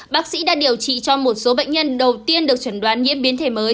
bác sĩ đã điều trị cho một số bệnh nhân đầu tiên được chuẩn đoán nhiễm biến thể mới